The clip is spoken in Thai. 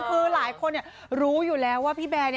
คือหลายคนรู้อยู่แล้วว่าพี่แบร์